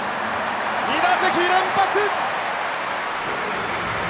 ２打席連発！